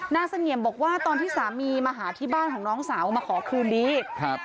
เสงี่ยมบอกว่าตอนที่สามีมาหาที่บ้านของน้องสาวมาขอคืนดีครับ